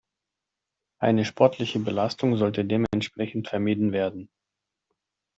Eine sportliche Belastung sollte dementsprechend vermieden werden.